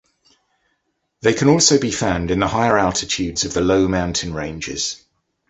They can also be found in the higher altitudes of the low mountain ranges.